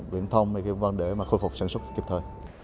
viễn thông hay cái vấn đề mà khôi phục sản xuất kịp thời